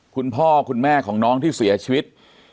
คุณพ่อคุณแม่ของน้องที่เสียชีวิต